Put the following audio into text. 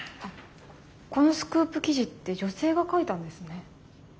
このスクープ記事って女性が書いたんですね。